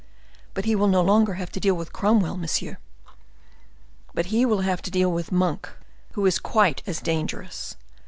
"But he will no longer have to deal with Cromwell, monsieur." "But he will have to deal with Monk, who is quite as dangerous.